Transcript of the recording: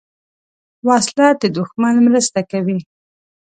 وسله د دوښمن مرسته کوي